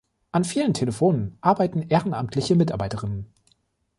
An vielen Telefonen arbeiten ehrenamtliche Mitarbeiterinnen.